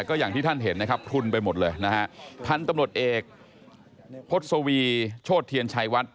ก็อย่างที่ท่านเห็นนะครับพลุนไปหมดเลยนะฮะพันธุ์ตำรวจเอกพศวีโชธเทียนชัยวัด